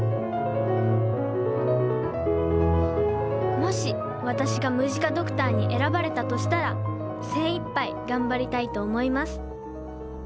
もし私がムジカドクターに選ばれたとしたら精いっぱい頑張りたいと思います